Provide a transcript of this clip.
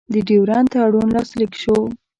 د ډیورنډ تړون لاسلیک شو.